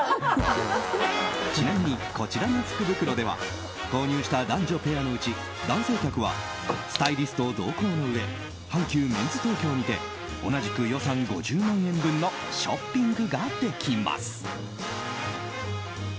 ちなみにこちらの福袋では購入した男女ペアのうち男性客はスタイリスト同行のうえ阪急メンズ東京にて同じく予算５０万円分のショッピングができます。